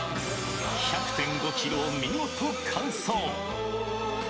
１００．５キロを見事完走。